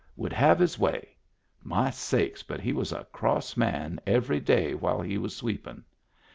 Would have his way. My sakes, but he was a cross man every day while he was sweepin'!